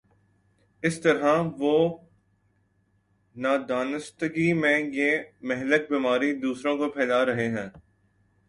اس طرح وہ نادانستگی میں یہ مہلک بیماری دوسروں کو پھیلا رہے ہیں۔